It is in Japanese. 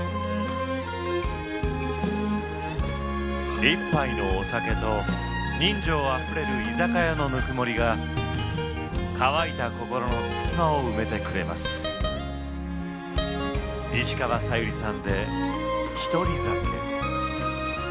１杯のお酒と人情あふれる居酒屋のぬくもりが乾いた心の隙間を埋めてくれます石川さゆりさん